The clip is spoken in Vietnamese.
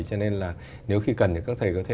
cho nên là nếu khi cần thì các thầy có thể